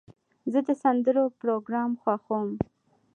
زه د سندرو پروګرام خوښوم.